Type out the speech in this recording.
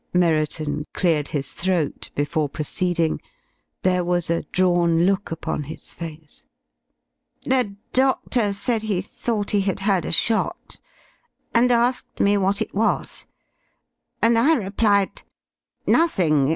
Merriton cleared his throat before proceeding. There was a drawn look upon his face. "The doctor said he thought he had heard a shot, and asked me what it was, and I replied: 'Nothing.